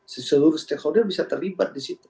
seluruh stakeholder bisa terlibat di situ